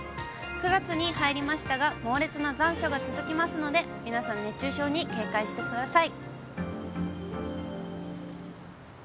９月に入りましたが、猛烈な残暑が続きますので、皆さん、熱中症に警戒してください。